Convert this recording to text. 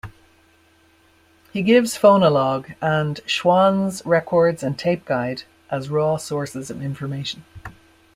He gives "Phonolog" and "Schwann's Records and Tape Guide" as raw sources of information.